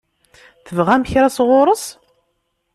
Tebɣam kra sɣur-s?